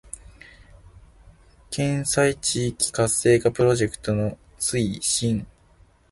県西地域活性化プロジェクトの推進